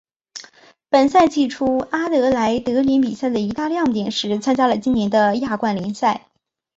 本赛季初阿德莱德联比赛的一大亮点是参加了今年的亚冠联赛。